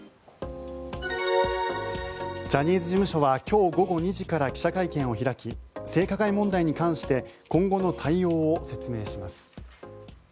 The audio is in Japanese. ジャニーズ事務所は今日午後２時から記者会見を開き性加害問題に関して今後の対応を説明します。